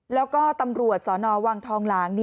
แล้วก็ตำรวจสนวังทองหลาง